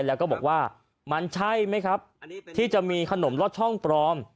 แล้วก็บอกว่ามันใช่ไหมครับที่จะมีขนมลอดช่องปลอม